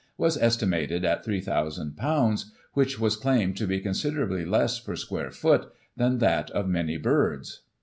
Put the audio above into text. was estimated at 3,ooolbs., which was claimed to be considerably less per square foot than that of many birds.